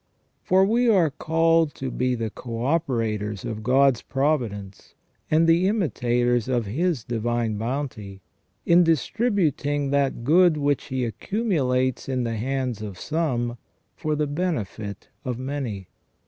For we are called to be the co operators of God's providence, and the imitators of His divine bounty, in distributing that good which He accumulates in the hands of some for the benefit of many.